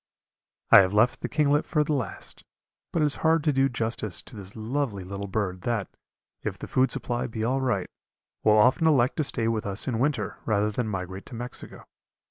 I have left the kinglet for the last, but it is hard to do justice to this lovely little bird that, if the food supply be all right, will often elect to stay with us in winter rather than migrate to Mexico.